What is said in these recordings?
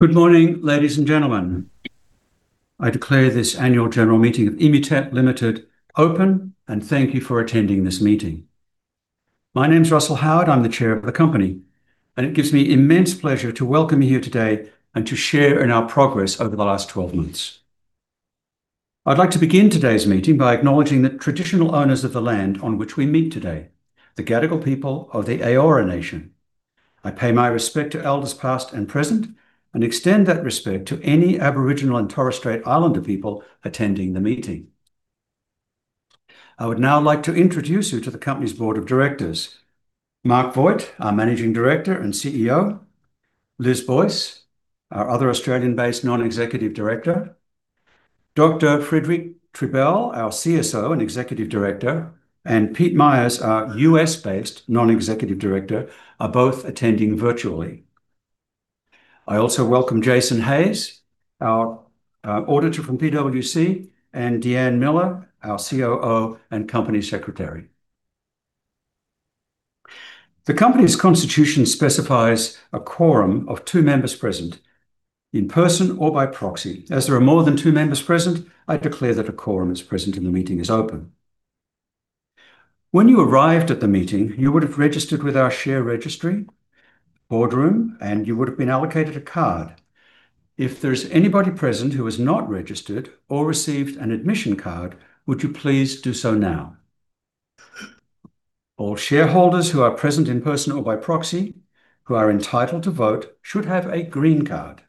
Good morning, ladies and gentlemen. I declare this annual general meeting of Immutep Limited open, and thank you for attending this meeting. My name is Russell Howard. I'm the chair of the company, and it gives me immense pleasure to welcome you here today and to share in our progress over the last 12 months. I'd like to begin today's meeting by acknowledging the traditional owners of the land on which we meet today, the Gadigal people of the Eora Nation. I pay my respect to elders past and present and extend that respect to any Aboriginal and Torres Strait Islander people attending the meeting. I would now like to introduce you to the company's board of directors: Marc Voigt, our managing director and CEO; Lis Boyce, our other Australian-based non-executive director; Dr. Frédéric Triebel, our CSO and executive director, and Pete Meyers, our US-based non-executive director, are both attending virtually. I also welcome Jason Hayes, our auditor from PwC, and Deanne Miller, our COO and company secretary. The company's constitution specifies a quorum of two members present in person or by proxy. As there are more than two members present, I declare that a quorum is present and the meeting is open. When you arrived at the meeting, you would have registered with our share registry Boardroom, and you would have been allocated a card. If there is anybody present who is not registered or received an admission card, would you please do so now? All shareholders who are present in person or by proxy who are entitled to vote should have a green card.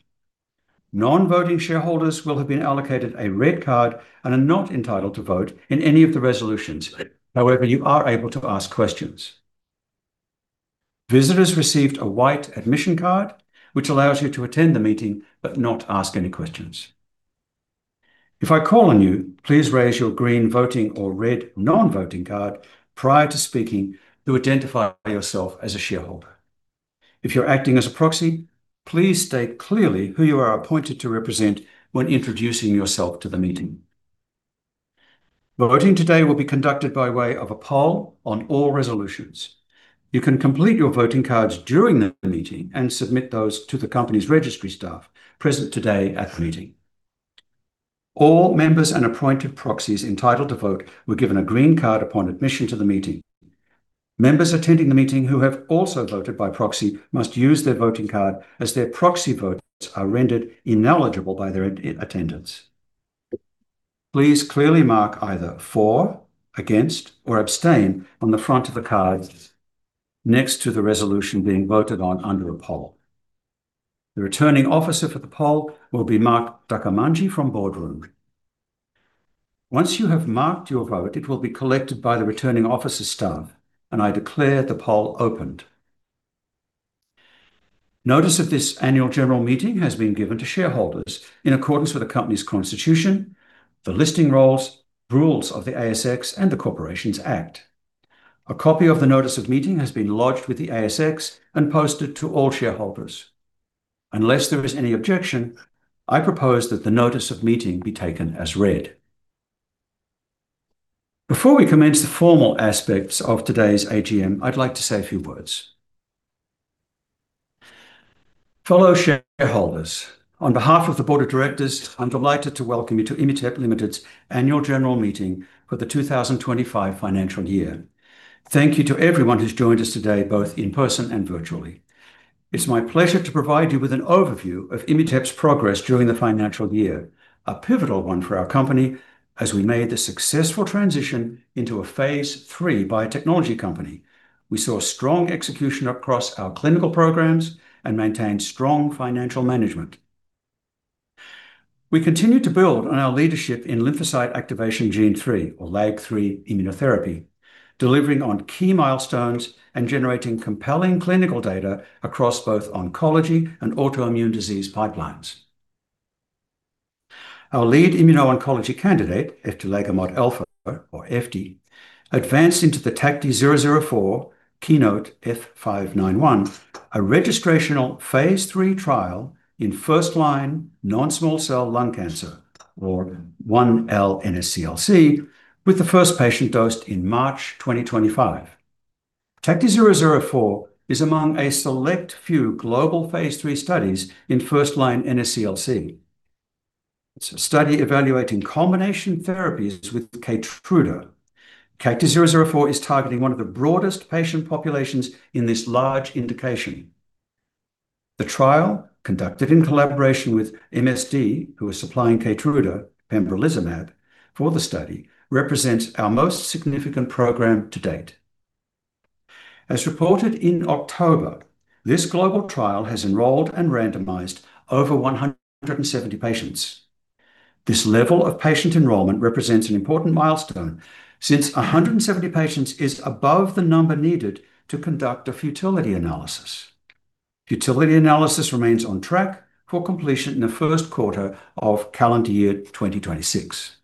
Non-voting shareholders will have been allocated a red card and are not entitled to vote in any of the resolutions. However, you are able to ask questions. Visitors received a white admission card, which allows you to attend the meeting but not ask any questions. If I call on you, please raise your green voting or red non-voting card prior to speaking to identify yourself as a shareholder. If you're acting as a proxy, please state clearly who you are appointed to represent when introducing yourself to the meeting. Voting today will be conducted by way of a poll on all resolutions. You can complete your voting cards during the meeting and submit those to the company's registry staff present today at the meeting. All members and appointed proxies entitled to vote were given a green card upon admission to the meeting. Members attending the meeting who have also voted by proxy must use their voting card as their proxy votes are rendered ineligible by their attendance. Please clearly mark either for, against, or abstain on the front of the cards next to the resolution being voted on under a poll. The returning officer for the poll will be Mark Dakamangi from Boardroom. Once you have marked your vote, it will be collected by the returning officer staff, and I declare the poll opened. Notice of this annual general meeting has been given to shareholders in accordance with the company's constitution, the listing rules, rules of the ASX, and the Corporations Act. A copy of the notice of meeting has been lodged with the ASX and posted to all shareholders. Unless there is any objection, I propose that the notice of meeting be taken as read. Before we commence the formal aspects of today's AGM, I'd like to say a few words. Fellow shareholders, on behalf of the board of directors, I'm delighted to welcome you to Immutep Limited's Annual General Meeting for the 2025 Financial Year. Thank you to everyone who's joined us today, both in person and virtually. It's my pleasure to provide you with an overview of Immutep's progress during the financial year, a pivotal one for our company as we made the successful transition into a phase III biotechnology company. We saw strong execution across our clinical programs and maintained strong financial management. We continue to build on our leadership in lymphocyte activation gene three, or LAG-3 immunotherapy, delivering on key milestones and generating compelling clinical data across both oncology and autoimmune disease pipelines. Our lead immuno-oncology candidate, eftilagimod alpha, or efti, advanced into the TACTI-004 KEYNOTE F9/1, a registrational phase III trial in first-line non-small cell lung cancer, or 1L NSCLC, with the first patient dosed in March 2025. TACTI-004 is among a select few global phase III studies in first-line NSCLC. It's a study evaluating combination therapies with KEYTRUDA. TACTI-004 is targeting one of the broadest patient populations in this large indication. The trial, conducted in collaboration with MSD, who is supplying KEYTRUDA pembrolizumab for the study, represents our most significant program to date. As reported in October, this global trial has enrolled and randomized over 170 patients. This level of patient enrollment represents an important milestone since 170 patients is above the number needed to conduct a futility analysis. Futility analysis remains on track for completion in the first quarter of calendar year 2026.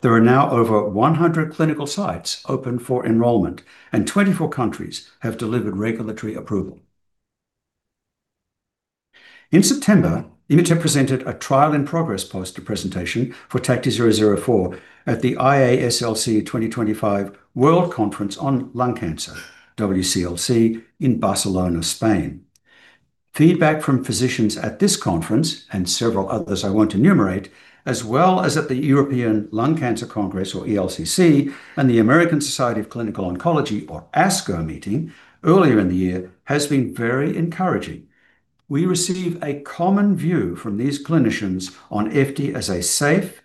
There are now over 100 clinical sites open for enrollment, and 24 countries have delivered regulatory approval. In September, Immutep presented a trial-in-progress poster presentation for TACTI-004 at the IASLC 2025 World Conference on Lung Cancer, WCLC, in Barcelona, Spain. Feedback from physicians at this conference and several others I won't enumerate, as well as at the European Lung Cancer Congress, or ELCC, and the American Society of Clinical Oncology, or ASCO, meeting earlier in the year has been very encouraging. We receive a common view from these clinicians on efti as a safe,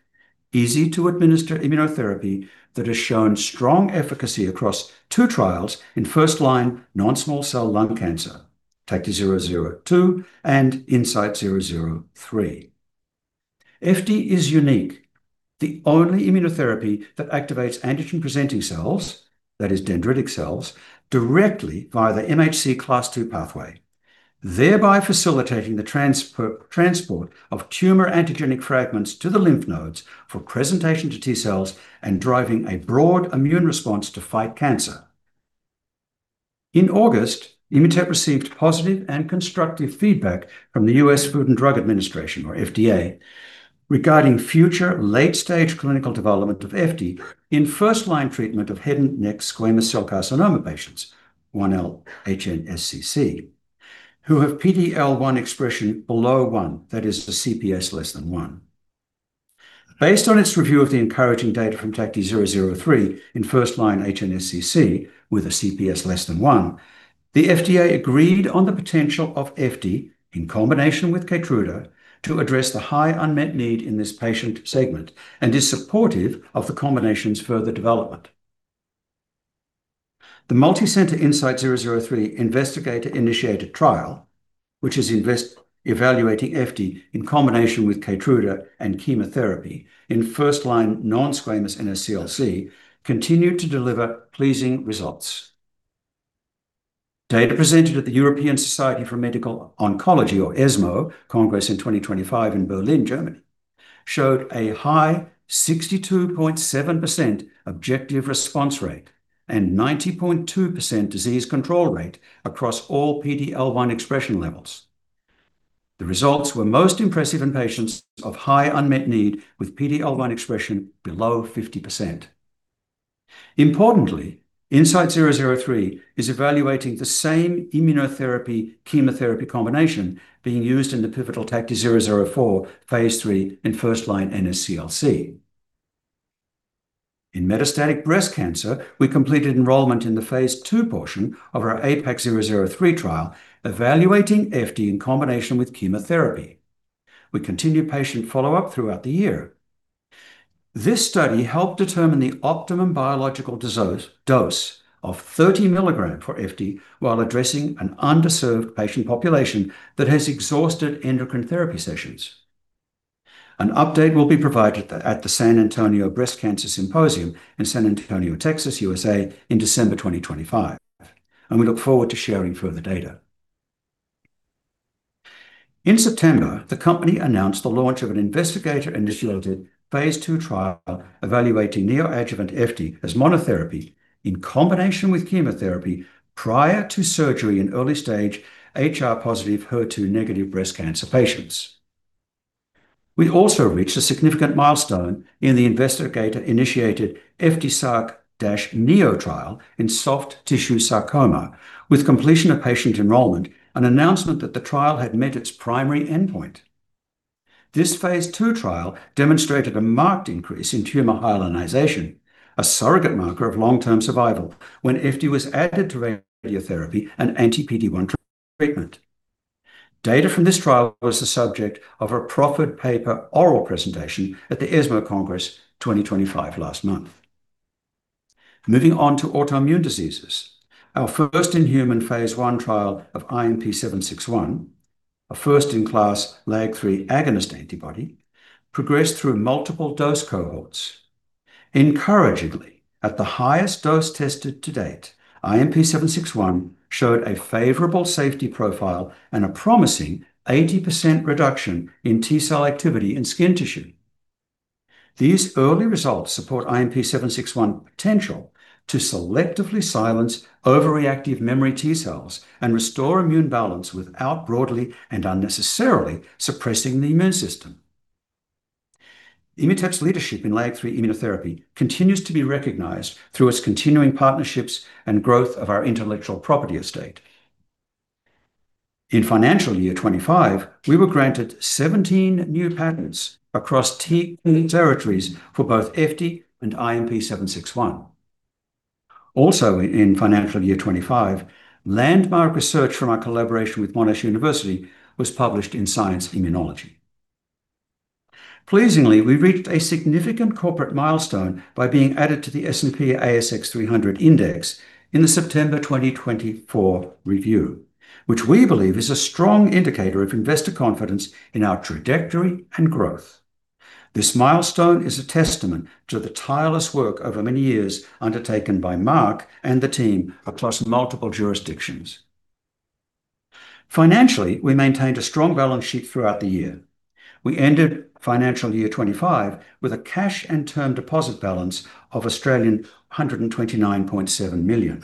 easy-to-administer immunotherapy that has shown strong efficacy across two trials in first-line non-small cell lung cancer, TACTI-002 and INSIGHT-003. Efti is unique, the only immunotherapy that activates antigen-presenting cells, that is, dendritic cells, directly via the MHC Class II pathway, thereby facilitating the transport of tumor antigenic fragments to the lymph nodes for presentation to T cells and driving a broad immune response to fight cancer. In August, Immutep received positive and constructive feedback from the U.S. Food and Drug Administration, or FDA, regarding future late-stage clinical development of efti in first-line treatment of head and neck squamous cell carcinoma patients, 1L HNSCC, who have PD-L1 expression below one, that is, a CPS less than one. Based on its review of the encouraging data from TACTI-003 in first-line HNSCC with a CPS less than one, the FDA agreed on the potential of efti in combination with KEYTRUDA to address the high unmet need in this patient segment and is supportive of the combination's further development. The multicenter INSIGHT-003 investigator-initiated trial, which is evaluating efti in combination with KEYTRUDA and chemotherapy in first-line non-squamous NSCLC, continued to deliver pleasing results. Data presented at the European Society for Medical Oncology, or ESMO, Congress in 2025 in Berlin, Germany, showed a high 62.7% objective response rate and 90.2% disease control rate across all PD-L1 expression levels. The results were most impressive in patients of high unmet need with PD-L1 expression below 50%. Importantly, INSIGHT-003 is evaluating the same immunotherapy-chemotherapy combination being used in the pivotal TACTI-004 phase III in first-line NSCLC. In metastatic breast cancer, we completed enrollment in the phase II portion of our AIPAC-003 trial, evaluating efti in combination with chemotherapy. We continue patient follow-up throughout the year. This study helped determine the optimum biological dose of 30 mg for efti while addressing an underserved patient population that has exhausted endocrine therapy sessions. An update will be provided at the San Antonio Breast Cancer Symposium in San Antonio, Texas, USA, in December 2025, and we look forward to sharing further data. In September, the company announced the launch of an investigator-initiated phase II trial evaluating neoadjuvant efti as monotherapy in combination with chemotherapy prior to surgery in early-stage HR-positive HER2-negative breast cancer patients. We also reached a significant milestone in the investigator-initiated EFTISARC-NEO trial in soft tissue sarcoma, with completion of patient enrollment and announcement that the trial had met its primary endpoint. This phase II trial demonstrated a marked increase in tumor hyalinization, a surrogate marker of long-term survival when efti was added to radiotherapy and anti-PD-1 treatment. Data from this trial was the subject of a proffered paper oral presentation at the ESMO Congress 2025 last month. Moving on to autoimmune diseases, our first inhuman phase I trial of IMP761, a first-in-class LAG-3 agonist antibody, progressed through multiple dose cohorts. Encouragingly, at the highest dose tested to date, IMP761 showed a favorable safety profile and a promising 80% reduction in T cell activity in skin tissue. These early results support IMP761's potential to selectively silence overreactive memory T cells and restore immune balance without broadly and unnecessarily suppressing the immune system. Immutep's leadership in LAG-3 immunotherapy continues to be recognized through its continuing partnerships and growth of our intellectual property estate. In financial year 2025, we were granted 17 new patents across 10 territories for both efti and IMP761. Also, in financial year 2025, landmark research from our collaboration with Monash University was published in Science Immunology. Pleasingly, we reached a significant corporate milestone by being added to the S&P/ASX 300 Index in the September 2024 review, which we believe is a strong indicator of investor confidence in our trajectory and growth. This milestone is a testament to the tireless work over many years undertaken by Marc and the team across multiple jurisdictions. Financially, we maintained a strong balance sheet throughout the year. We ended financial year 2025 with a cash and term deposit balance of 129.7 million,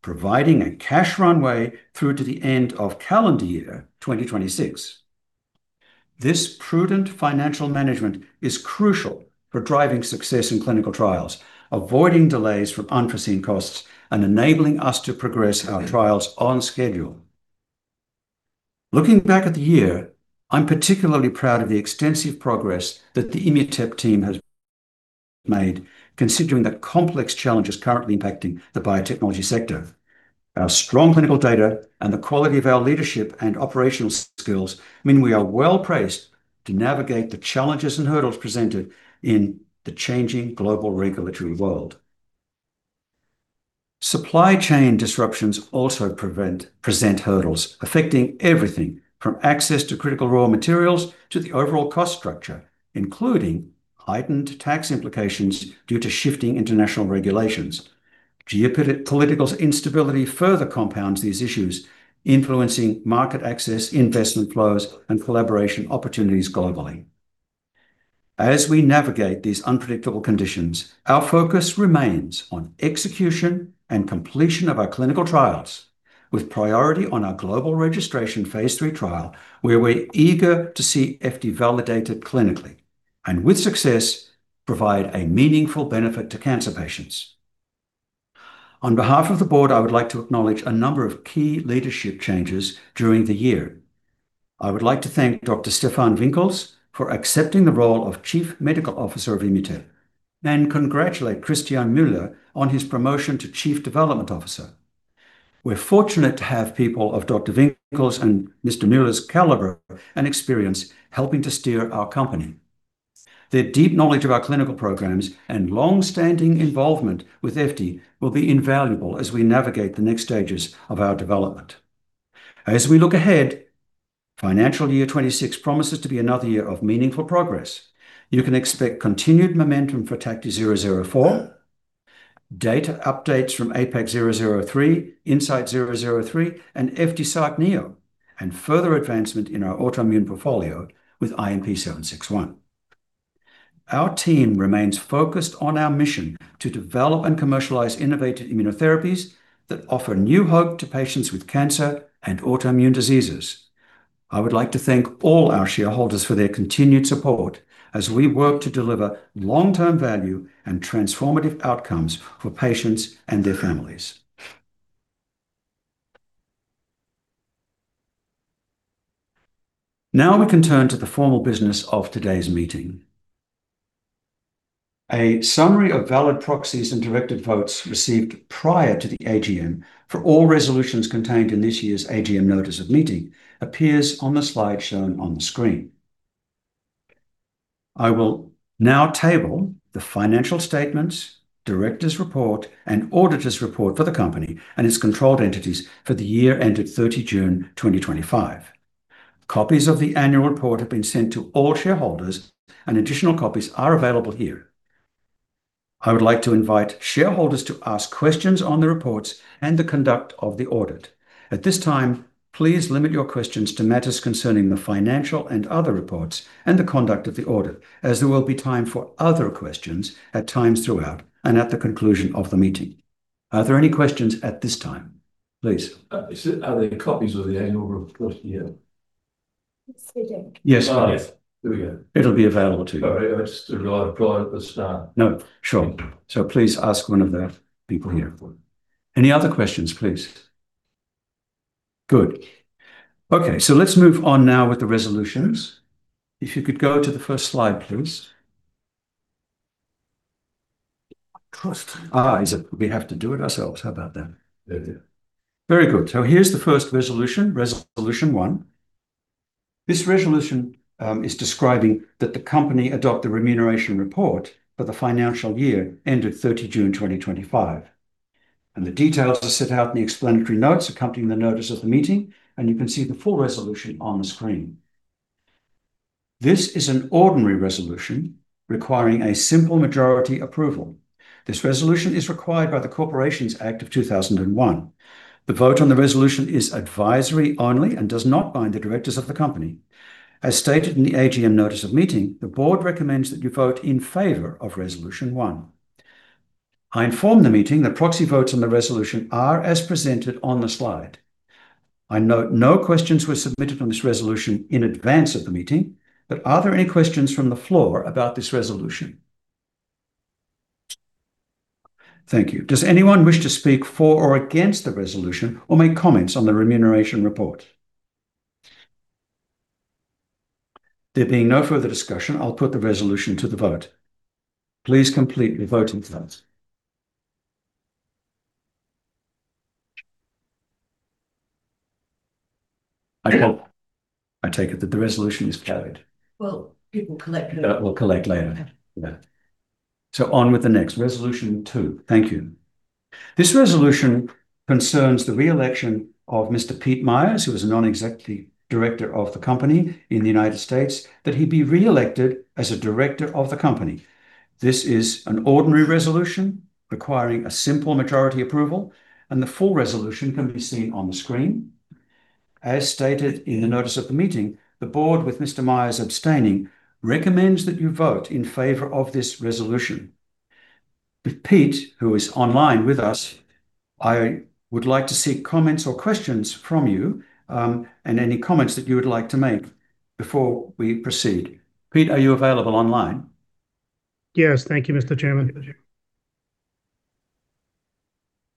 providing a cash runway through to the end of calendar year 2026. This prudent financial management is crucial for driving success in clinical trials, avoiding delays from unforeseen costs, and enabling us to progress our trials on schedule. Looking back at the year, I'm particularly proud of the extensive progress that the Immutep team has made, considering the complex challenges currently impacting the biotechnology sector. Our strong clinical data and the quality of our leadership and operational skills mean we are well-placed to navigate the challenges and hurdles presented in the changing global regulatory world. Supply chain disruptions also present hurdles affecting everything from access to critical raw materials to the overall cost structure, including heightened tax implications due to shifting international regulations. Geopolitical instability further compounds these issues, influencing market access, investment flows, and collaboration opportunities globally. As we navigate these unpredictable conditions, our focus remains on execution and completion of our clinical trials, with priority on our global registration phase III trial, where we're eager to see efti validated clinically and, with success, provide a meaningful benefit to cancer patients. On behalf of the board, I would like to acknowledge a number of key leadership changes during the year. I would like to thank Dr. Stephan Winckels for accepting the role of Chief Medical Officer of Immutep and congratulate Christian Mueller on his promotion to Chief Development Officer. We're fortunate to have people of Dr. Winckels and Mr. Mueller's caliber and experience helping to steer our company. Their deep knowledge of our clinical programs and long-standing involvement with efti will be invaluable as we navigate the next stages of our development. As we look ahead, financial year 2026 promises to be another year of meaningful progress. You can expect continued momentum for TACTI-004, data updates from AIPAC-003, INSIGHT-003, and EFTISARC-NEO, and further advancement in our autoimmune portfolio with IMP761. Our team remains focused on our mission to develop and commerciaLise innovative immunotherapies that offer new hope to patients with cancer and autoimmune diseases. I would like to thank all our shareholders for their continued support as we work to deliver long-term value and transformative outcomes for patients and their families. Now we can turn to the formal business of today's meeting. A summary of valid proxies and directed votes received prior to the AGM for all resolutions contained in this year's AGM notice of meeting appears on the slide shown on the screen. I will now table the financial statements, director's report, and auditor's report for the company and its controlled entities for the year ended 30 June 2025. Copies of the annual report have been sent to all shareholders, and additional copies are available here. I would like to invite shareholders to ask questions on the reports and the conduct of the audit. At this time, please limit your questions to matters concerning the financial and other reports and the conduct of the audit, as there will be time for other questions at times throughout and at the conclusion of the meeting. Are there any questions at this time? Please. Are there copies of the annual report here? Yes, we do. It will be available to you. Sorry, I just relied on the start. No, sure. Please ask one of the people here. Any other questions, please? Good. Okay, let's move on now with the resolutions. If you could go to the first slide, please. Trust. Is it we have to do it ourselves? How about that? There we go. Very good. Here is the first resolution, Resolution One. This resolution is describing that the company adopted the remuneration report for the financial year ended 30 June 2025. The details are set out in the explanatory notes accompanying the notice of the meeting, and you can see the full resolution on the screen. This is an ordinary resolution requiring a simple majority approval. This resolution is required by the Corporations Act of 2001. The vote on the resolution is advisory only and does not bind the directors of the company. As stated in the AGM notice of meeting, the board recommends that you vote in favor of Resolution One. I inform the meeting that proxy votes on the resolution are as presented on the slide. I note no questions were submitted on this resolution in advance of the meeting. Are there any questions from the floor about this resolution? Thank you. Does anyone wish to speak for or against the resolution or make comments on the remuneration report? There being no further discussion, I'll put the resolution to the vote. Please complete your voting first. I take it that the resolution is carried. People collect later. We'll collect later. Yeah. On with the next. Resolution Two. Thank you. This resolution concerns the reelection of Mr. Pete Meyers, who was a non-executive director of the company in the United States, that he be reelected as a director of the company. This is an ordinary resolution requiring a simple majority approval, and the full resolution can be seen on the screen. As stated in the notice of the meeting, the board, with Mr. Meyers abstaining, recommends that you vote in favor of this resolution. Pete, who is online with us, I would like to see comments or questions from you and any comments that you would like to make before we proceed. Pete, are you available online? Yes, thank you, Mr. Chairman.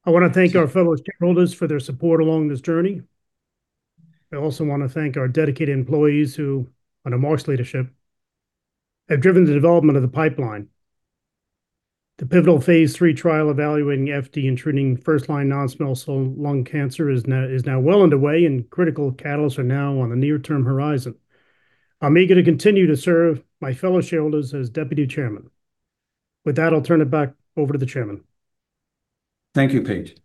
I want to thank our fellow shareholders for their support along this journey. I also want to thank our dedicated employees who, under Marc's leadership, have driven the development of the pipeline. The pivotal phase III trial evaluating efti in treating first-line non-small cell lung cancer is now well underway, and critical catalysts are now on the near-term horizon. I'm eager to continue to serve my fellow shareholders as Deputy Chairman. With that, I'll turn it back over to the Chairman. Thank you, Pete.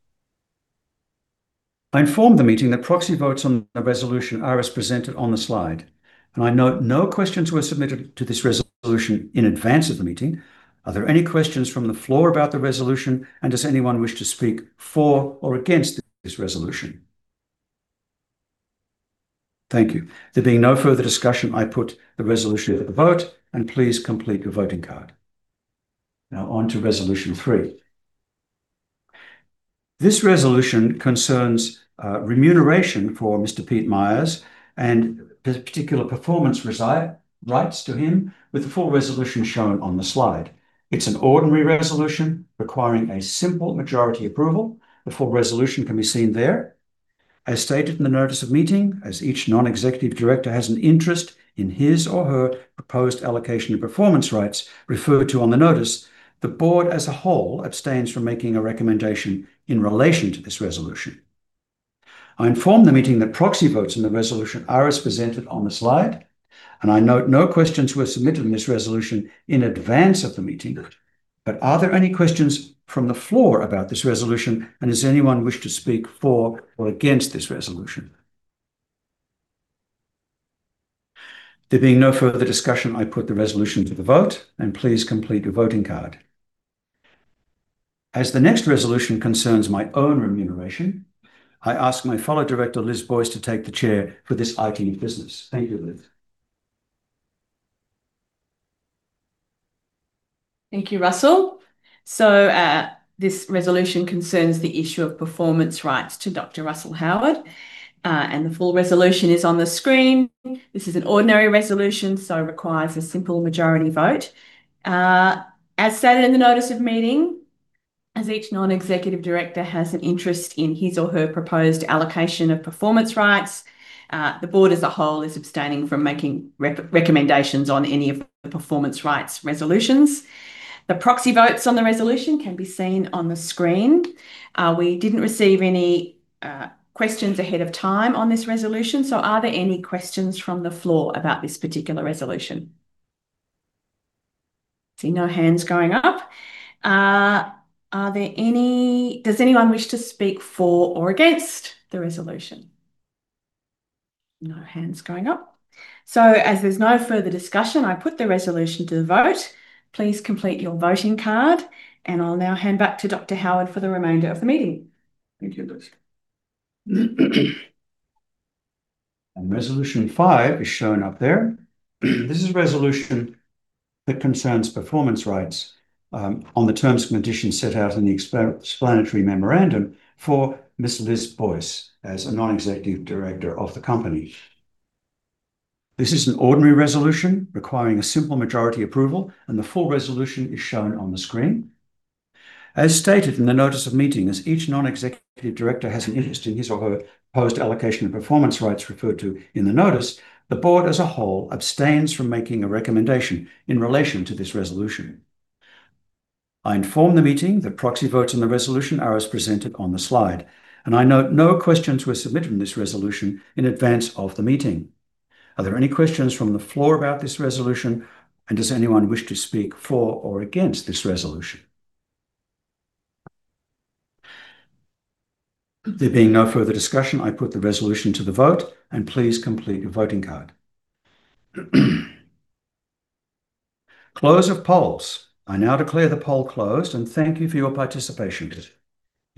I inform the meeting that proxy votes on the resolution are as presented on the slide. I note no questions were submitted to this resolution in advance of the meeting. Are there any questions from the floor about the resolution, and does anyone wish to speak for or against this resolution? Thank you. There being no further discussion, I put the resolution to the vote, and please complete your voting card. Now on to Resolution Three. This resolution concerns remuneration for Mr. Pete Meyers and particular performance rights to him, with the full resolution shown on the slide. It's an ordinary resolution requiring a simple majority approval. The full resolution can be seen there. As stated in the notice of meeting, as each non-executive director has an interest in his or her proposed allocation of performance rights referred to on the notice, the board as a whole abstains from making a recommendation in relation to this resolution. I inform the meeting that proxy votes in the resolution are as presented on the slide, and I note no questions were submitted in this resolution in advance of the meeting. Are there any questions from the floor about this resolution, and does anyone wish to speak for or against this resolution? There being no further discussion, I put the resolution to the vote, and please complete your voting card. As the next resolution concerns my own remuneration, I ask my fellow director, Lis Boyce, to take the chair for this IT business. Thank you, Lis. Thank you, Russell. This resolution concerns the issue of performance rights to Dr. Russell Howard, and the full resolution is on the screen. This is an ordinary resolution, so it requires a simple majority vote. As stated in the notice of meeting, as each non-executive director has an interest in his or her proposed allocation of performance rights, the board as a whole is abstaining from making recommendations on any of the performance rights resolutions. The proxy votes on the resolution can be seen on the screen. We did not receive any questions ahead of time on this resolution, so are there any questions from the floor about this particular resolution? I see no hands going up. Does anyone wish to speak for or against the resolution? No hands going up. As there is no further discussion, I put the resolution to the vote. Please complete your voting card, and I will now hand back to Dr. Howard for the remainder of the meeting. Thank you, Lis. Resolution Five is shown up there. This is a resolution that concerns performance rights on the terms and conditions set out in the explanatory memorandum for Ms. Lis Boyce as a non-executive director of the company. This is an ordinary resolution requiring a simple majority approval, and the full resolution is shown on the screen. As stated in the notice of meeting, as each non-executive director has an interest in his or her proposed allocation of performance rights referred to in the notice, the board as a whole abstains from making a recommendation in relation to this resolution. I inform the meeting that proxy votes on the resolution are as presented on the slide, and I note no questions were submitted in this resolution in advance of the meeting. Are there any questions from the floor about this resolution, and does anyone wish to speak for or against this resolution? There being no further discussion, I put the resolution to the vote, and please complete your voting card. Close of polls. I now declare the poll closed and thank you for your participation.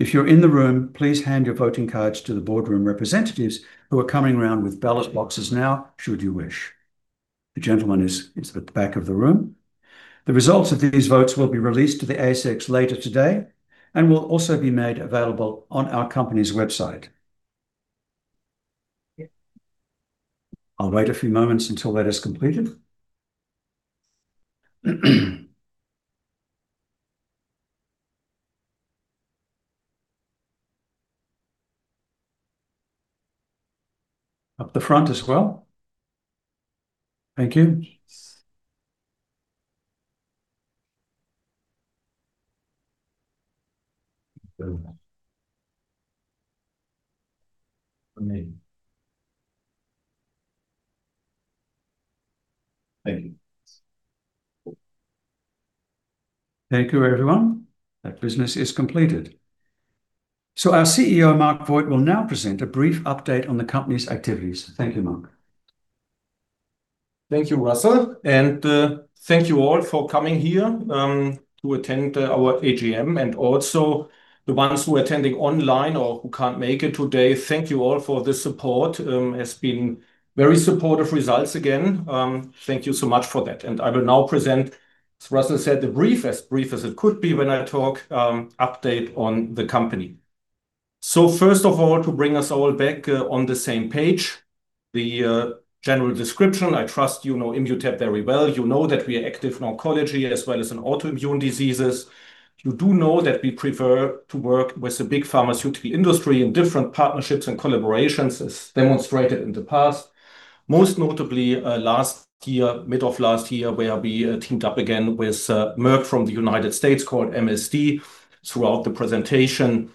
If you're in the room, please hand your voting cards to the Boardroom representatives who are coming around with ballot boxes now, should you wish. The gentleman is at the back of the room. The results of these votes will be released to the ASX later today and will also be made available on our company's website. I'll wait a few moments until that is completed. Up the front as well. Thank you. Thank you. Thank you, everyone. That business is completed. Our CEO, Marc Voigt, will now present a brief update on the company's activities. Thank you, Marc. Thank you, Russell, and thank you all for coming here to attend our AGM and also the ones who are attending online or who can't make it today. Thank you all for the support. There have been very supportive results again. Thank you so much for that. I will now present, as Russell said, the brief, as brief as it could be when I talk, update on the company. First of all, to bring us all back on the same page, the general description, I trust you know Immutep very well. You know that we are active in oncology as well as in autoimmune diseases. You do know that we prefer to work with the big pharmaceutical industry in different partnerships and collaborations, as demonstrated in the past, most notably last year, mid of last year, where we teamed up again with Merck from the United States, called MSD throughout the presentation,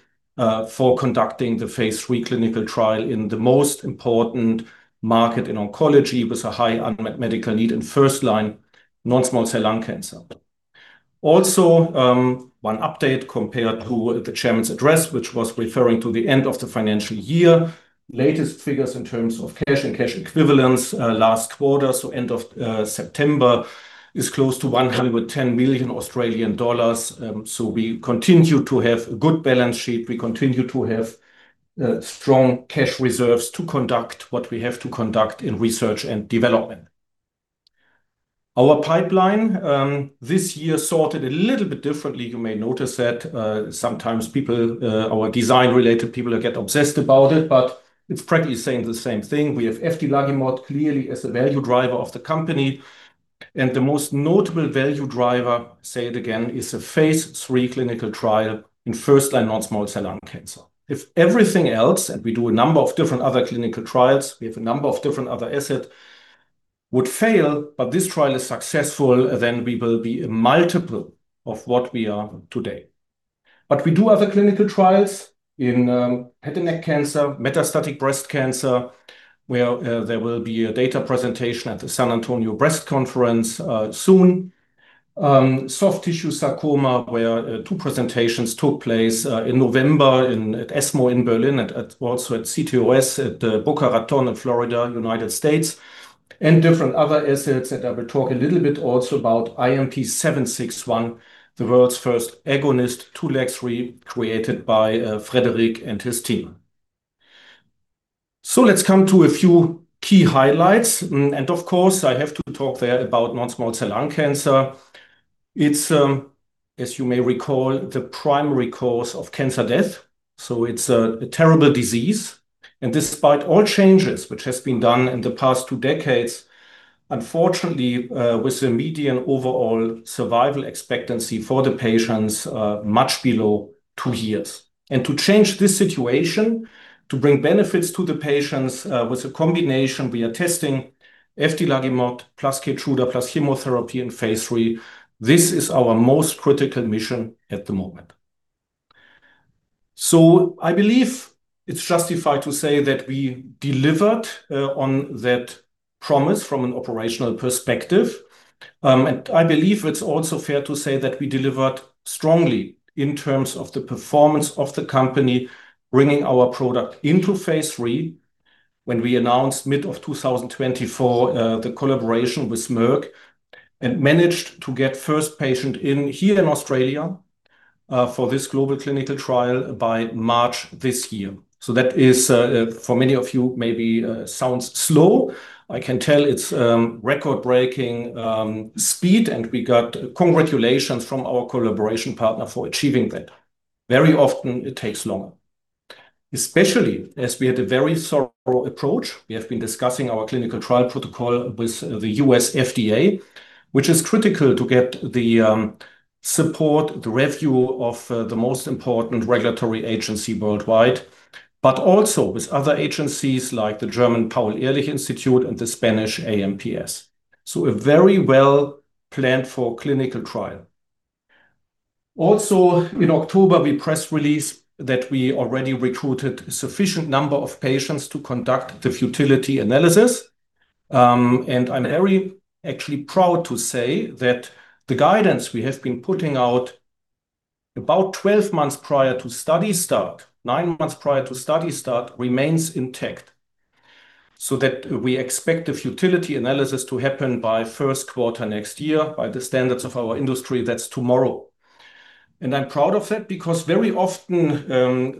for conducting the phase III clinical trial in the most important market in oncology with a high unmet medical need in first-line non-small cell lung cancer. Also, one update compared to the Chairman's address, which was referring to the end of the financial year, latest figures in terms of cash and cash equivalents last quarter, end of September, is close to 110 million Australian dollars. We continue to have a good balance sheet. We continue to have strong cash reserves to conduct what we have to conduct in research and development. Our pipeline this year sorted a little bit differently. You may notice that sometimes people, our design-related people, get obsessed about it, but it is practically saying the same thing. We have eftilagimod clearly as a value driver of the company. The most notable value driver, say it again, is a phase III clinical trial in first-line non-small cell lung cancer. If everything else, and we do a number of different other clinical trials, we have a number of different other assets, would fail, but this trial is successful, then we will be a multiple of what we are today. We do other clinical trials in head and neck cancer, metastatic breast cancer, where there will be a data presentation at the San Antonio Breast Conference soon, soft tissue sarcoma, where two presentations took place in November at ESMO in Berlin and also at CTOS at Boca Raton in Florida, United States, and different other assets that I will talk a little bit also about IMP761, the world's first agonist two legs recreated by Frédéric and his team. Let's come to a few key highlights. Of course, I have to talk there about non-small cell lung cancer. It's, as you may recall, the primary cause of cancer death. It's a terrible disease. Despite all changes which have been done in the past two decades, unfortunately, with a median overall survival expectancy for the patients much below two years. To change this situation, to bring benefits to the patients with a combination, we are testing eftilagimod plus KEYTRUDA plus chemotherapy in phase III. This is our most critical mission at the moment. I believe it's justified to say that we delivered on that promise from an operational perspective. I believe it's also fair to say that we delivered strongly in terms of the performance of the company, bringing our product into phase III when we announced mid of 2024 the collaboration with Merck and managed to get first patient in here in Australia for this global clinical trial by March this year. That is, for many of you, maybe sounds slow. I can tell it's record-breaking speed, and we got congratulations from our collaboration partner for achieving that. Very often, it takes longer, especially as we had a very thorough approach. We have been discussing our clinical trial protocol with the U.S. FDA, which is critical to get the support, the review of the most important regulatory agency worldwide, but also with other agencies like the German Paul-Ehrlich Institute and the Spanish AEMPS. A very well-planned clinical trial. Also, in October, we press released that we already recruited a sufficient number of patients to conduct the futility analysis. I'm very actually proud to say that the guidance we have been putting out about 12 months prior to study start, nine months prior to study start, remains intact so that we expect the futility analysis to happen by first quarter next year by the standards of our industry. That's tomorrow. I'm proud of that because very often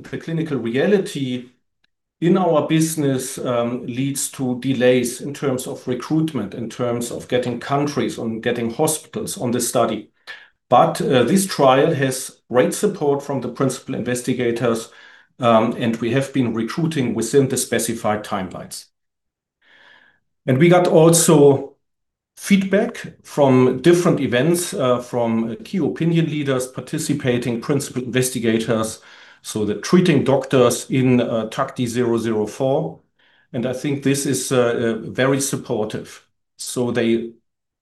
the clinical reality in our business leads to delays in terms of recruitment, in terms of getting countries and getting hospitals on the study. This trial has great support from the principal investigators, and we have been recruiting within the specified timelines. We got feedback from different events, from key opinion leaders participating, principal investigators, the treating doctors in TACTI-004. I think this is very supportive. They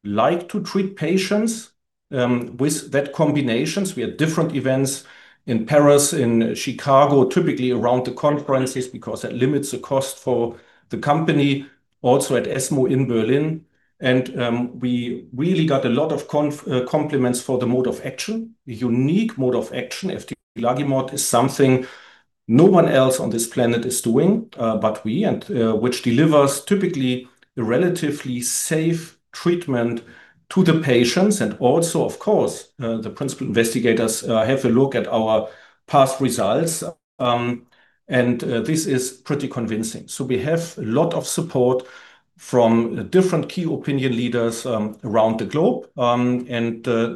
like to treat patients with that combination. We had different events in Paris, in Chicago, typically around the conferences because that limits the cost for the company, also at ESMO in Berlin. We really got a lot of compliments for the mode of action. The unique mode of action, eftilagimod alpha, is something no one else on this planet is doing, but we, and which delivers typically a relatively safe treatment to the patients. Also, of course, the principal investigators have a look at our past results. This is pretty convincing. We have a lot of support from different key opinion leaders around the globe.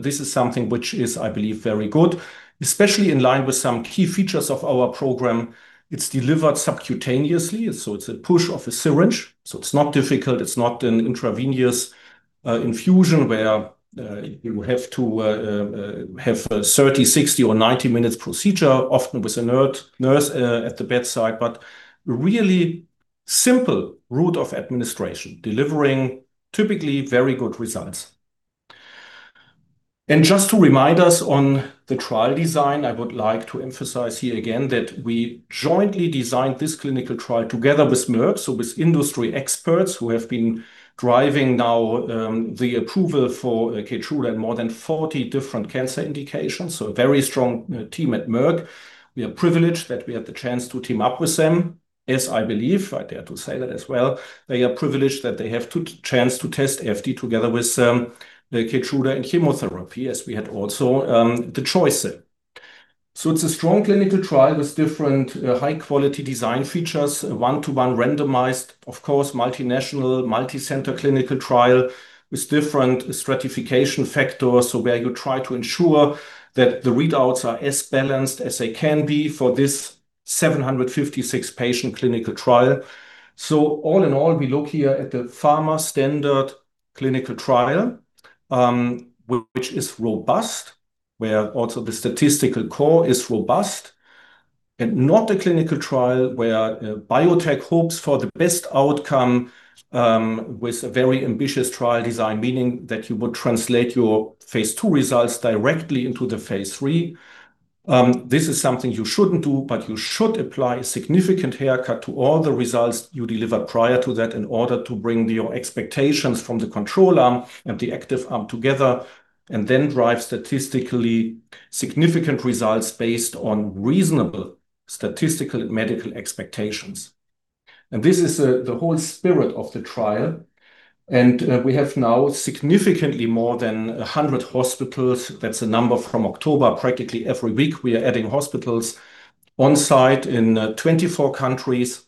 This is something which is, I believe, very good, especially in line with some key features of our program. It's delivered subcutaneously. It's a push of a syringe. It's not difficult. It's not an intravenous infusion where you have to have a 30, 60, or 90-minute procedure, often with a nurse at the bedside, but really simple route of administration, delivering typically very good results. Just to remind us on the trial design, I would like to emphasize here again that we jointly designed this clinical trial together with Merck, with industry experts who have been driving now the approval for KEYTRUDA in more than 40 different cancer indications. A very strong team at Merck. We are privileged that we had the chance to team up with them, as I believe, right there to say that as well. They are privileged that they have the chance to test efti together with KEYTRUDA and chemotherapy, as we had also the choice. It is a strong clinical trial with different high-quality design features, one-to-one randomized, of course, multinational, multi-center clinical trial with different stratification factors, where you try to ensure that the readouts are as balanced as they can be for this 756-patient clinical trial. All in all, we look here at the pharma standard clinical trial, which is robust, where also the statistical core is robust, and not a clinical trial where biotech hopes for the best outcome with a very ambitious trial design, meaning that you would translate your phase II results directly into the phase III. This is something you shouldn't do, but you should apply a significant haircut to all the results you deliver prior to that in order to bring your expectations from the control arm and the active arm together and then drive statistically significant results based on reasonable statistical and medical expectations. This is the whole spirit of the trial. We have now significantly more than 100 hospitals. That's a number from October. Practically every week, we are adding hospitals on site in 24 countries.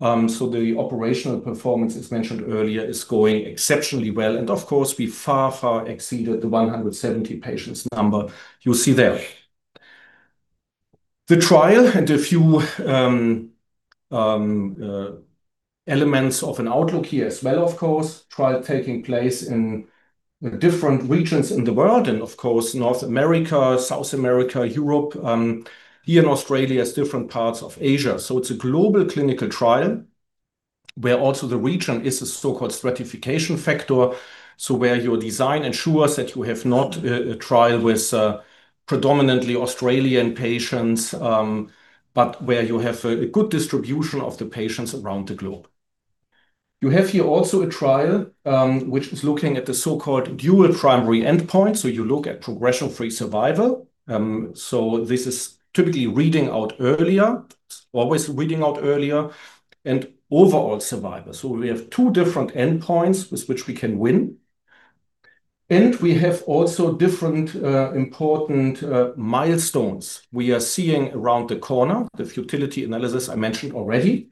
The operational performance, as mentioned earlier, is going exceptionally well. Of course, we far, far exceeded the 170-patient number you see there. The trial and a few elements of an outlook here as well, of course, trial taking place in different regions in the world and, of course, North America, South America, Europe, here in Australia, different parts of Asia. It is a global clinical trial where also the region is a so-called stratification factor, so where your design ensures that you have not a trial with predominantly Australian patients, but where you have a good distribution of the patients around the globe. You have here also a trial which is looking at the so-called dual primary endpoint. You look at progression-free survival. This is typically reading out earlier, always reading out earlier, and overall survival. We have two different endpoints with which we can win. We have also different important milestones we are seeing around the corner, the futility analysis I mentioned already,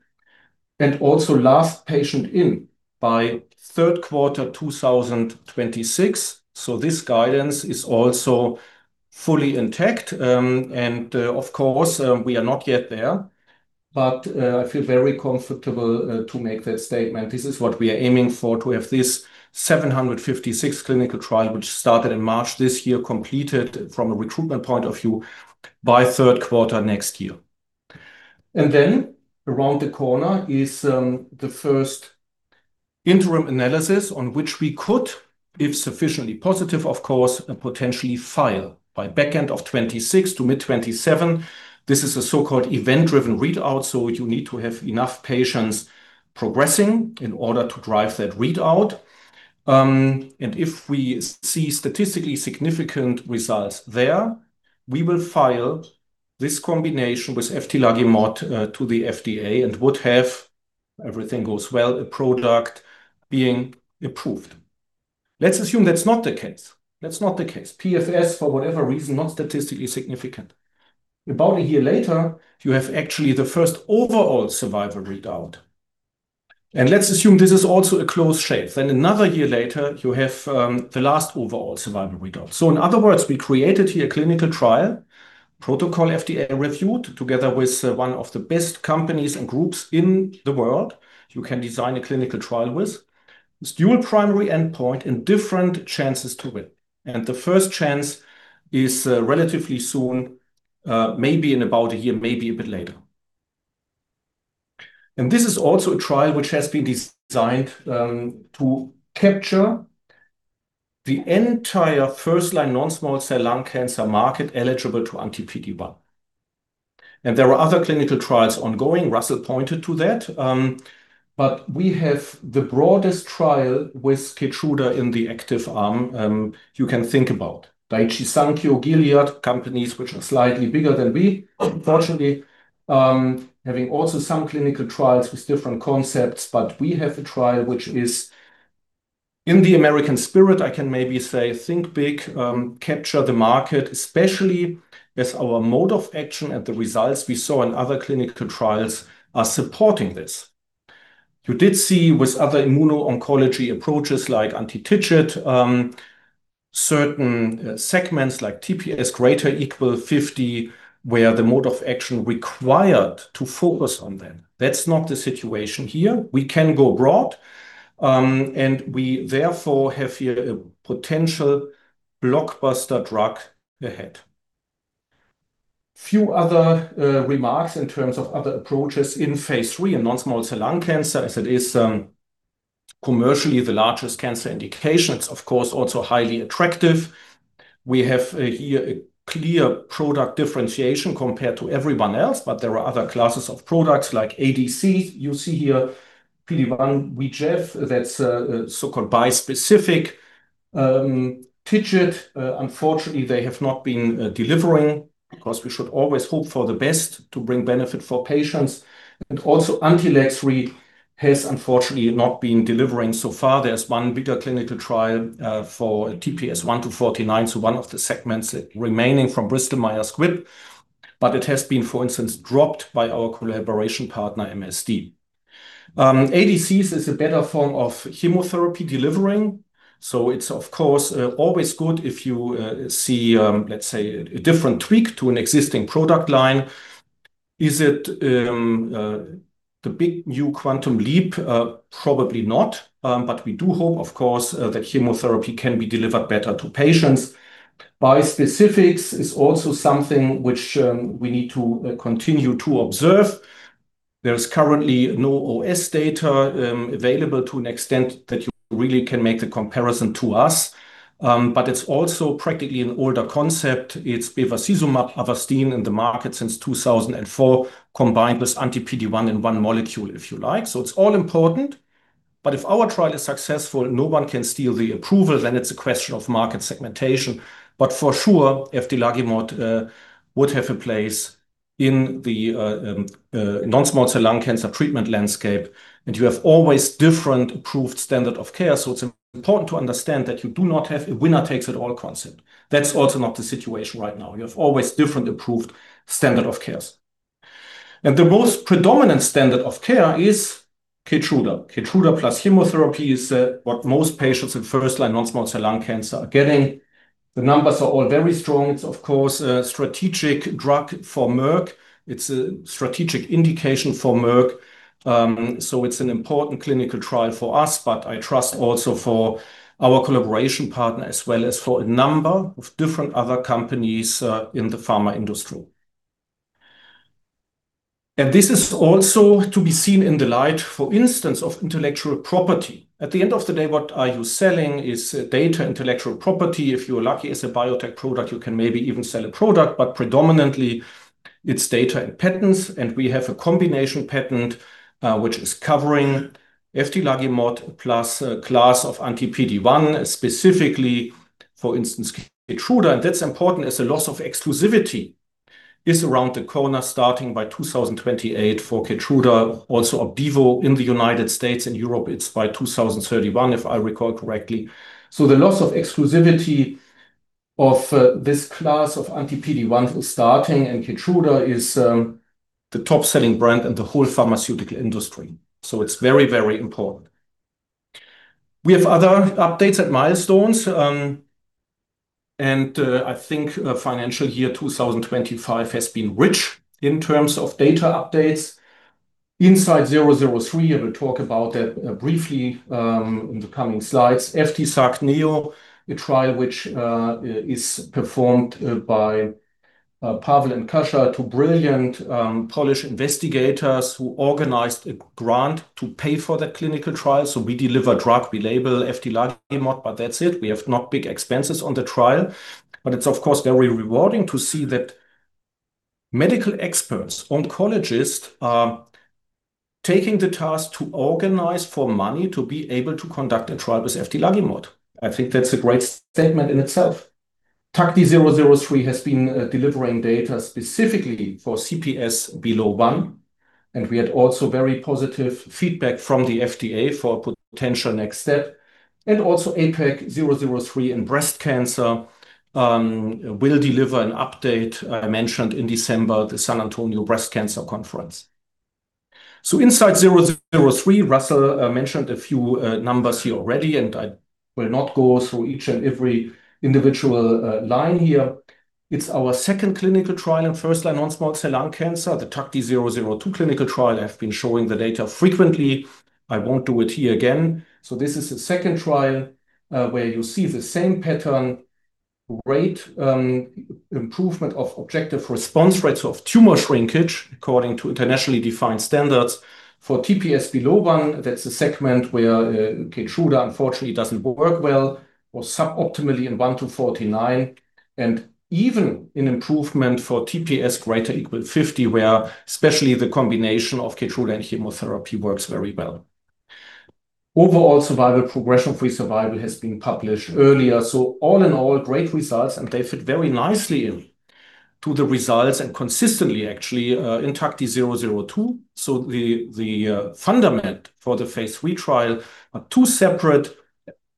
and also last patient in by third quarter 2026. This guidance is also fully intact. Of course, we are not yet there, but I feel very comfortable to make that statement. This is what we are aiming for, to have this 756-clinical trial, which started in March this year, completed from a recruitment point of view by third quarter next year. Around the corner is the first interim analysis on which we could, if sufficiently positive, of course, potentially file by backend of 2026 to mid-2027. This is a so-called event-driven readout. You need to have enough patients progressing in order to drive that readout. If we see statistically significant results there, we will file this combination with eftilagimod to the FDA and would have, if everything goes well, a product being approved. Let's assume that's not the case. That's not the case. PFS, for whatever reason, not statistically significant. About a year later, you have actually the first overall survival readout. Let's assume this is also a close shape. Another year later, you have the last overall survival readout. In other words, we created here a clinical trial, protocol FDA reviewed together with one of the best companies and groups in the world. You can design a clinical trial with this dual primary endpoint and different chances to win. The first chance is relatively soon, maybe in about a year, maybe a bit later. This is also a trial which has been designed to capture the entire first-line non-small cell lung cancer market eligible to anti-PD-1. There are other clinical trials ongoing. Russell pointed to that. We have the broadest trial with KEYTRUDA in the active arm you can think about. Daiichi Sankyo, Gilead, companies which are slightly bigger than we, unfortunately, having also some clinical trials with different concepts. We have a trial which is in the American spirit, I can maybe say, think big, capture the market, especially as our mode of action and the results we saw in other clinical trials are supporting this. You did see with other immuno-oncology approaches like anti-TIGIT, certain segments like TPS greater equal 50%, where the mode of action required to focus on them. That's not the situation here. We can go broad, and we therefore have here a potential blockbuster drug ahead. Few other remarks in terms of other approaches in phase III and non-small cell lung cancer, as it is commercially the largest cancer indication. It's, of course, also highly attractive. We have here a clear product differentiation compared to everyone else, but there are other classes of products like ADC. You see here PD-1/VEGF. That's a so-called bispecific TIGIT. Unfortunately, they have not been delivering because we should always hope for the best to bring benefit for patients. Also, Anti-LAG-3 has unfortunately not been delivering so far. There's one bigger clinical trial for TPS 1-49, so one of the segments remaining from Bristol-Meyers Squibb. It has been, for instance, dropped by our collaboration partner, MSD. ADCs is a better form of chemotherapy delivering. It is, of course, always good if you see, let's say, a different tweak to an existing product line. Is it the big new quantum leap? Probably not. We do hope, of course, that chemotherapy can be delivered better to patients. Bispecifics is also something which we need to continue to observe. There is currently no OS data available to an extent that you really can make the comparison to us. It is also practically an older concept. It is bevacizumab, Avastin in the market since 2004, combined with anti-PD1 in one molecule, if you like. It is all important. If our trial is successful, no one can steal the approval. It is a question of market segmentation. For sure, eftilagimod would have a place in the non-small cell lung cancer treatment landscape. You have always different approved standard of care. It's important to understand that you do not have a winner-takes-it-all concept. That's also not the situation right now. You have always different approved standard of cares. The most predominant standard of care is KEYTRUDA. KEYTRUDA plus chemotherapy is what most patients in first-line non-small cell lung cancer are getting. The numbers are all very strong. It's, of course, a strategic drug for Merck. It's a strategic indication for Merck. It's an important clinical trial for us, but I trust also for our collaboration partner as well as for a number of different other companies in the pharma industry. This is also to be seen in the light, for instance, of intellectual property. At the end of the day, what you are selling is data, intellectual property. If you're lucky as a biotech product, you can maybe even sell a product, but predominantly it's data and patents. We have a combination patent which is covering eftilagimod plus a class of anti-PD-1, specifically, for instance, KEYTRUDA. That's important as a loss of exclusivity is around the corner starting by 2028 for KEYTRUDA, alsoOPDIVO in the United States. In Europe, it's by 2031, if I recall correctly. The loss of exclusivity of this class of anti-PD-1 is starting, and KEYTRUDA is the top-selling brand in the whole pharmaceutical industry. It's very, very important. We have other updates at milestones. I think financial year 2025 has been rich in terms of data updates. INSIGHT-003, and we'll talk about that briefly in the coming slides, EFTISARC-NEO, a trial which is performed by Pawel and Kozak, two brilliant Polish investigators who organized a grant to pay for the clinical trial. We deliver drug, we label eftilagimod, but that's it. We have not big expenses on the trial. It is, of course, very rewarding to see that medical experts, oncologists, are taking the task to organize for money to be able to conduct a trial with eftilagimod. I think that's a great statement in itself. TACTI-003 has been delivering data specifically for CPS below 1. We had also very positive feedback from the FDA for a potential next step. Also, AIPAC-003 in breast cancer will deliver an update, I mentioned, in December, the San Antonio Breast Cancer Conference. Inside 003, Russell mentioned a few numbers here already, and I will not go through each and every individual line here. It is our second clinical trial in first-line non-small cell lung cancer. The TACTI-002 clinical trial has been showing the data frequently. I will not do it here again. This is the second trial where you see the same pattern, rate improvement of objective response rates of tumor shrinkage according to internationally defined standards for TPS below one. That is a segment where KEYTRUDA, unfortunately, does not work well or suboptimally in 1-49. There is even an improvement for TPS greater or equal to 50, where especially the combination of KEYTRUDA and chemotherapy works very well. Overall survival, progression-free survival has been published earlier. All in all, great results, and they fit very nicely into the results and consistently, actually, in TACTI-002. The fundament for the phase III trial, two separate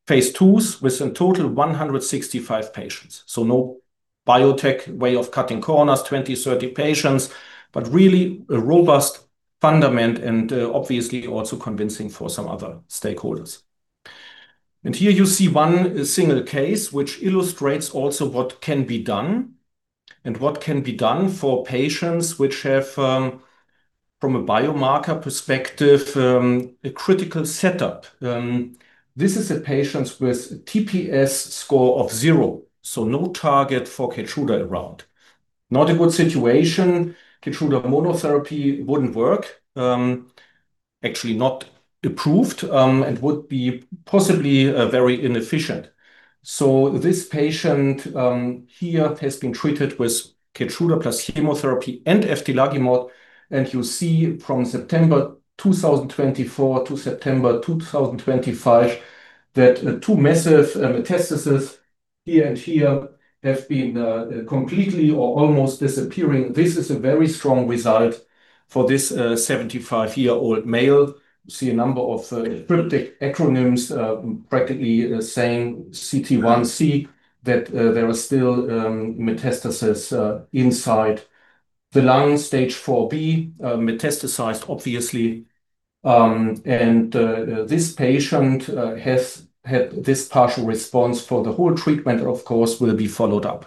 phase IIs with a total of 165 patients. No biotech way of cutting corners, 20, 30 patients, but really a robust fundament and obviously also convincing for some other stakeholders. Here you see one single case which illustrates also what can be done and what can be done for patients which have, from a biomarker perspective, a critical setup. This is a patient with a TPS score of zero, so no target for KEYTRUDA around. Not a good situation. KEYTRUDA monotherapy wouldn't work, actually not approved, and would be possibly very inefficient. This patient here has been treated with KEYTRUDA plus chemotherapy and eftilagimod. You see from September 2024 to September 2025 that two massive metastases here and here have been completely or almost disappearing. This is a very strong result for this 75-year-old male. You see a number of cryptic acronyms practically saying CT1C, that there are still metastases inside the lung, stage IV-B, metastasized, obviously. This patient has had this partial response for the whole treatment, of course, will be followed up.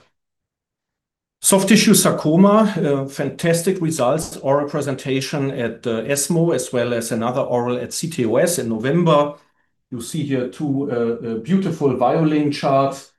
Soft tissue sarcoma, fantastic results, oral presentation at ESMO, as well as another oral at CTOS in November. You see here two beautiful violin charts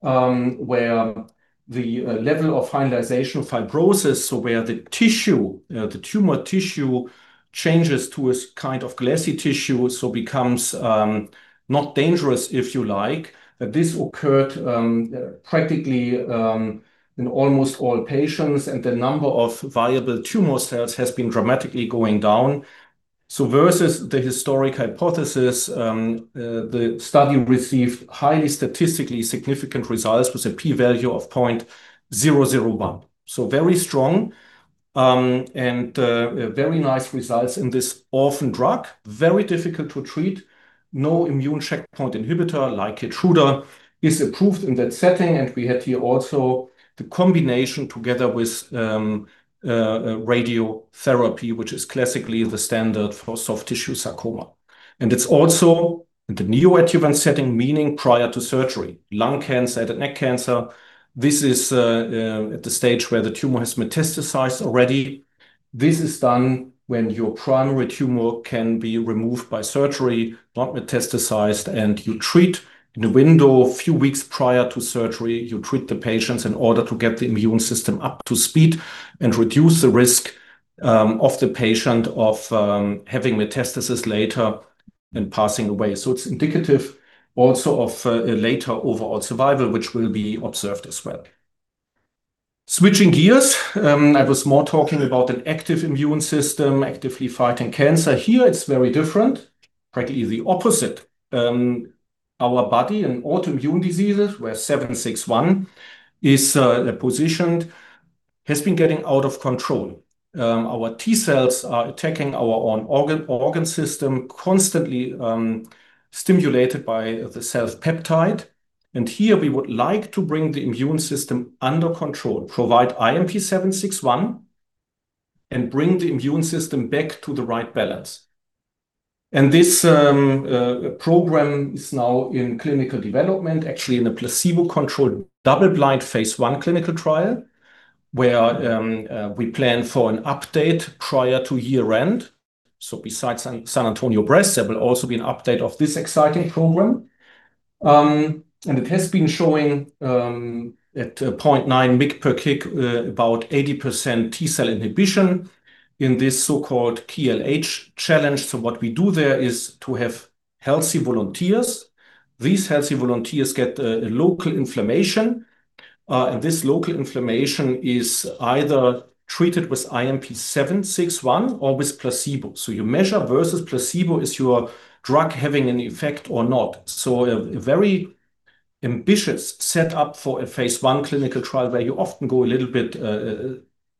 where the level of hyalinization fibrosis, so where the tissue, the tumor tissue changes to a kind of glassy tissue, so becomes not dangerous, if you like. This occurred practically in almost all patients, and the number of viable tumor cells has been dramatically going down. Versus the historic hypothesis, the study received highly statistically significant results with a p-value of 0.001. Very strong and very nice results in this orphan drug, very difficult to treat. No immune checkpoint inhibitor like KEYTRUDA is approved in that setting. We had here also the combination together with radiotherapy, which is classically the standard for soft tissue sarcoma. It is also in the neoadjuvant setting, meaning prior to surgery, lung cancer, head and neck cancer. This is at the stage where the tumor has metastasized already. This is done when your primary tumor can be removed by surgery, not metastasized, and you treat in a window of a few weeks prior to surgery. You treat the patients in order to get the immune system up to speed and reduce the risk of the patient of having metastases later and passing away. It is indicative also of a later overall survival, which will be observed as well. Switching gears, I was more talking about an active immune system, actively fighting cancer. Here, it's very different, practically the opposite. Our body in autoimmune diseases, where 761 is positioned, has been getting out of control. Our T cells are attacking our own organ system, constantly stimulated by the cell peptide. Here, we would like to bring the immune system under control, provide IMP761, and bring the immune system back to the right balance. This program is now in clinical development, actually in a placebo-controlled double-blind phase I clinical trial, where we plan for an update prior to year-end. Besides San Antonio Breast, there will also be an update of this exciting program. It has been showing at 0.9 microgram per kilogram, about 80% T cell inhibition in this so-called KLH challenge. What we do there is to have healthy volunteers. These healthy volunteers get a local inflammation. This local inflammation is either treated with IMP761 or with placebo. You measure versus placebo, is your drug having an effect or not. A very ambitious setup for a phase I clinical trial where you often go a little bit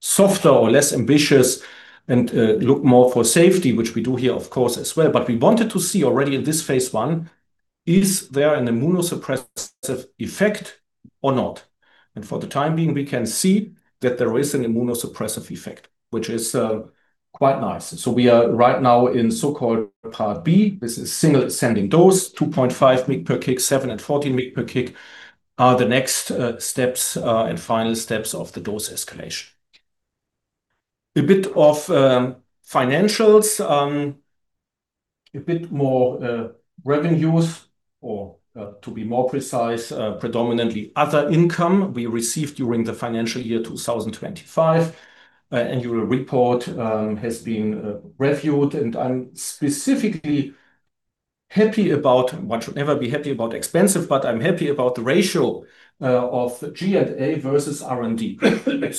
softer or less ambitious and look more for safety, which we do here, of course, as well. We wanted to see already in this phase I, is there an immunosuppressive effect or not. For the time being, we can see that there is an immunosuppressive effect, which is quite nice. We are right now in so-called part B. This is single ascending dose, 2.5 micro per kg, 7 and 14 micro per kg are the next steps and final steps of the dose escalation. A bit of financials, a bit more revenues, or to be more precise, predominantly other income we received during the financial year 2025. Annual report has been reviewed, and I'm specifically happy about, what should never be happy about, expensive, but I'm happy about the ratio of G&A versus R&D.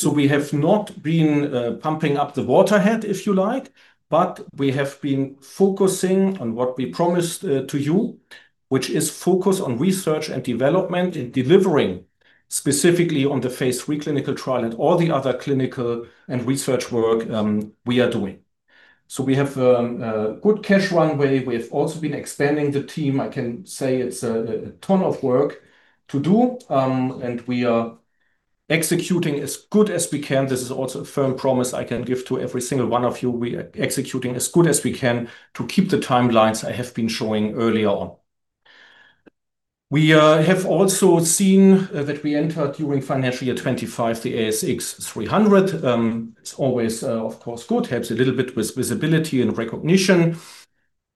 We have not been pumping up the water head, if you like, but we have been focusing on what we promised to you, which is focus on research and development and delivering specifically on the phase III clinical trial and all the other clinical and research work we are doing. We have a good cash runway. We have also been expanding the team. I can say it's a ton of work to do, and we are executing as good as we can. This is also a firm promise I can give to every single one of you. We are executing as good as we can to keep the timelines I have been showing earlier on. We have also seen that we entered during financial year 2025, the ASX 300. It is always, of course, good, helps a little bit with visibility and recognition.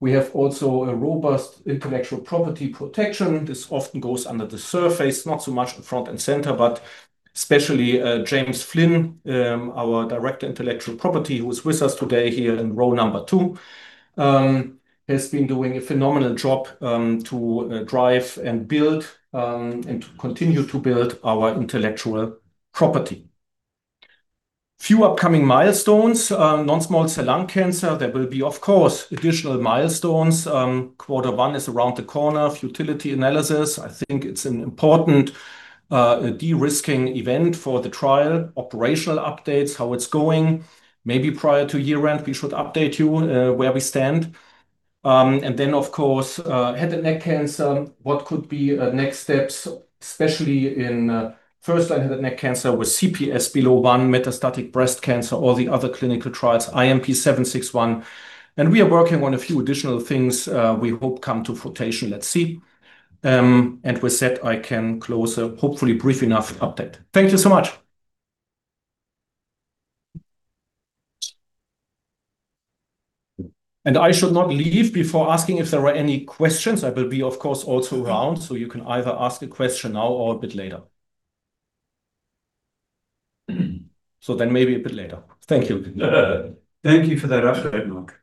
We have also a robust intellectual property protection. This often goes under the surface, not so much front and center, but especially James Flinn, our Director of Intellectual Property, who is with us today here in row number two, has been doing a phenomenal job to drive and build and to continue to build our intellectual property. Few upcoming milestones, non-small cell lung cancer. There will be, of course, additional milestones. Quarter one is around the corner of futility analysis. I think it is an important de-risking event for the trial, operational updates, how it is going. Maybe prior to year-end, we should update you where we stand. Of course, head and neck cancer, what could be next steps, especially in first-line head and neck cancer with CPS below one, metastatic breast cancer, all the other clinical trials, IMP761. We are working on a few additional things we hope come to flotation. Let's see. With that, I can close a hopefully brief enough update. Thank you so much. I should not leave before asking if there are any questions. I will be, of course, also around, so you can either ask a question now or a bit later. Maybe a bit later. Thank you. Thank you for that update, Mark.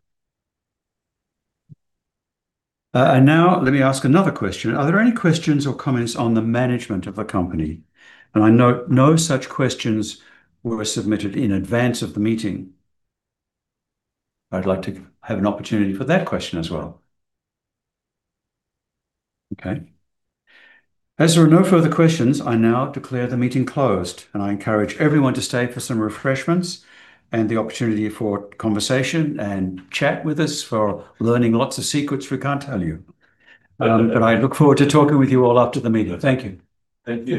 Now let me ask another question. Are there any questions or comments on the management of the company? I note no such questions were submitted in advance of the meeting. I'd like to have an opportunity for that question as well. Okay. As there are no further questions, I now declare the meeting closed, and I encourage everyone to stay for some refreshments and the opportunity for conversation and chat with us for learning lots of secrets we can't tell you. I look forward to talking with you all after the meeting. Thank you. Thank you.